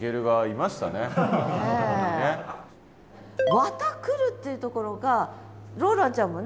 「綿繰る」っていうところがローランちゃんもね